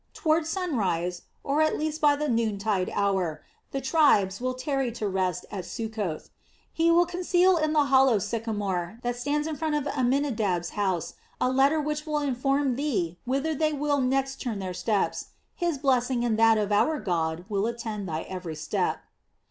Toward sunrise, or at latest by the noon tide hour, the tribes will tarry to rest at Succoth. He will conceal in the hollow sycamore that stands in front of Amminadab's house a letter which will inform thee whither they will next turn their steps. His blessing and that of our God will attend thy every step."